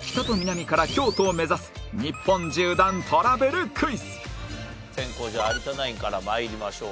北と南から京都を目指す日本縦断トラベルクイズ先攻じゃあ有田ナインから参りましょう。